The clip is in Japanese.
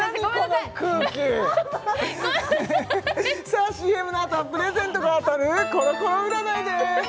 この空気ごめんなさいさあＣＭのあとはプレゼントが当たるコロコロ占いです